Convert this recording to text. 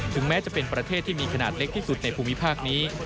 แม้จะเป็นประเทศที่มีขนาดเล็กที่สุดในภูมิภาคนี้